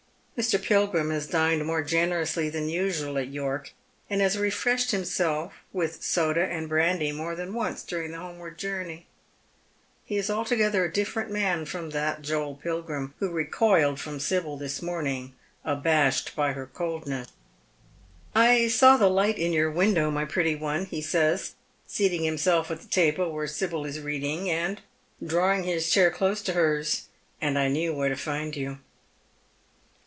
Mr. Pilgrim has dined more generously than usual at York, and has refreshed himself with 8©da and brandy more than once during the homeward journey. He is altogether a different man from that Joel Pilgrim who recoiled from Sibyl this morning, abashed by her coldness. " I saw the light in your window, my pretty one," he says, Beating himself at the table where Sibyl is reading, and drawing his chair close to hers, " and I knew where to find you."